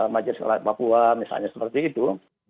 majelis rakyat papua misalnya seperti itu